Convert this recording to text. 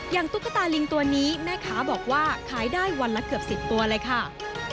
ตุ๊กตาลิงตัวนี้แม่ค้าบอกว่าขายได้วันละเกือบ๑๐ตัวเลยค่ะ